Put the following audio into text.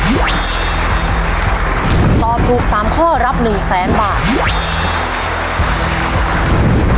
ถ้าตอบถูกสามข้อรับหนึ่งแสนบาท